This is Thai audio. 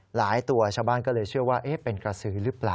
หลายตัวชาวบ้านก็เลยเชื่อว่าเป็นกระสือหรือเปล่า